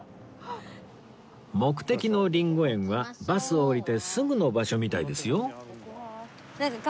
目的のリンゴ園はバスを降りてすぐの場所みたいですよ